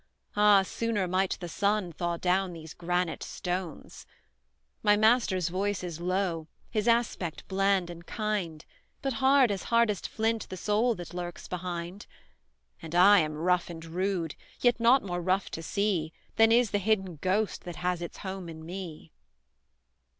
Ah! sooner might the sun thaw down these granite stones. "My master's voice is low, his aspect bland and kind, But hard as hardest flint the soul that lurks behind; And I am rough and rude, yet not more rough to see Than is the hidden ghost that has its home in me."